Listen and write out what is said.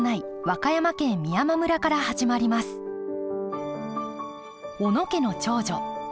小野家の長女純子。